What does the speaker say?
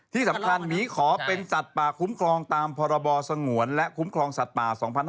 ที่สำคัญหมีขอเป็นสัตว์ป่าคุ้มครองตามพรบสงวนและคุ้มครองสัตว์ป่า๒๕๖๒